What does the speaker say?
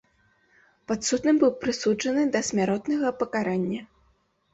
Падсудны быў прысуджаны да смяротнага пакарання.